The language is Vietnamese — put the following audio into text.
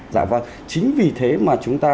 dạ vâng chính vì thế mà chúng ta